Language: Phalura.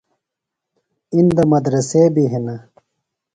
اندہ مدرسے بیۡ ہِنہ۔